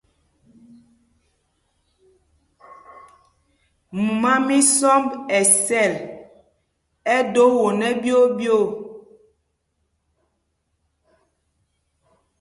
Mumá mí Sɔmbɛs ɛ sɛl, ɛ do won ɛɓyoo ɓyoo.